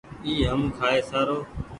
اي هم کآئي سارو ۔